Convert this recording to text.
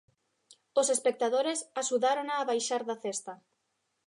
Os espectadores axudárona a baixar da cesta.